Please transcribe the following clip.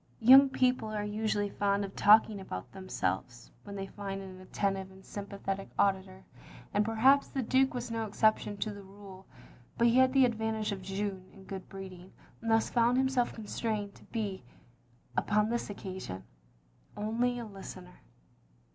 Young people are usually fond of talking about themselves, when they find an attentive and sympathetic auditor, and perhaps the Duke was no exception to the rule. But he had the advantage of Jeanne in good breeding, and thus found himself constrained to be, upon this occasion, only a listener.